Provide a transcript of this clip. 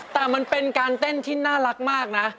แต่มันเป็นการเต้นที่น่ารักมากนะ